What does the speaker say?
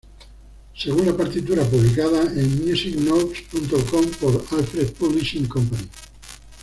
Según la partitura publicada en Musicnotes.com por Alfred Publishing Co.